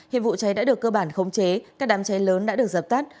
hiện vụ cháy đã được cơ bản khống chế các đám cháy lớn đã được dập tắt